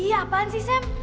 iya apaan sih sam